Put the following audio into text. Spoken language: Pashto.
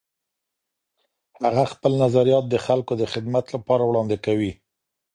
هغه خپل نظریات د خلګو د خدمت لپاره وړاندې کوي.